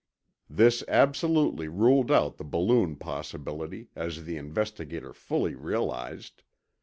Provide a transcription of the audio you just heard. This absolutely ruled out the balloon possibility, as the investigator fully realized.